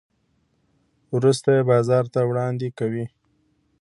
وروسته یې بازار ته وړاندې کوي.